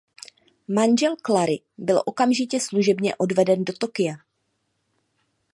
Manžel Clary byl okamžitě služebně odvelen do Tokia.